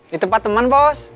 di tempat teman bos